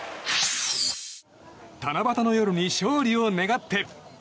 七夕の夜に勝利を願って。